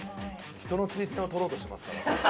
人の釣り銭を取ろうとしてますから。